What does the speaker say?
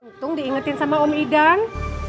untung diingetin sama om idan